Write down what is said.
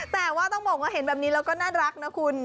แต่ว่าต้องบอกว่าเห็นแบบนี้แล้วก็น่ารักนะคุณ